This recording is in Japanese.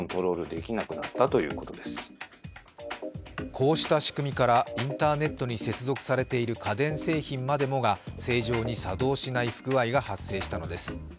こうした仕組みからインターネットに接続されている家電製品までもが正常に作動しない不具合が発生したのです。